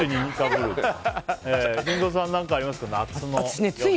リンゴさん何かありますか？